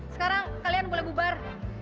sekarang kalian boleh bubar